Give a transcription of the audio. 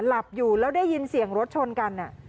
หลับอยู่แล้วได้ยินเสียงรถชนกัน